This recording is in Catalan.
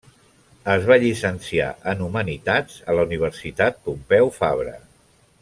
Es va llicenciar en Humanitats a la Universitat Pompeu Fabra.